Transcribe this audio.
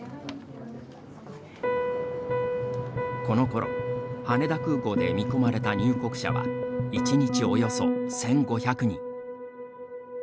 このころ羽田空港で見込まれた入国者は１日およそ１５００人。